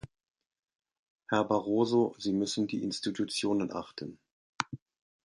Herr Barroso, Sie müssen die Institutionen achten.